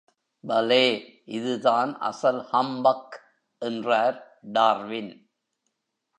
பலே இதுதான் அசல் ஹம்பக் என்றார் டார்வின்.